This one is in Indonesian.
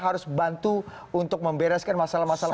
harus bantu untuk membereskan masalah masalah